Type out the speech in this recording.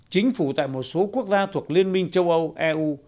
chính phủ tại một số quốc gia thuộc liên minh châu âu eu